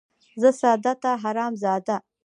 ـ زه ساده ،ته حرام زاده.